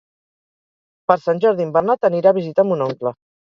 Per Sant Jordi en Bernat anirà a visitar mon oncle.